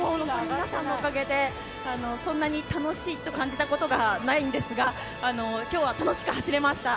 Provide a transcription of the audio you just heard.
皆さんのおかげでこんなに楽しいと感じたことがないんですが今日は楽しく走れました。